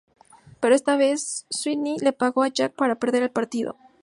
Pero esta vez, Sweeney le pagó a Jack para perder el partido.